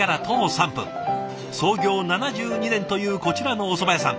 創業７２年というこちらのおそば屋さん。